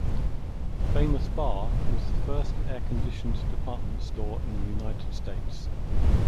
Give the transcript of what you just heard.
Famous-Barr was the first air conditioned department store in the United States.